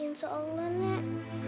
insya allah nek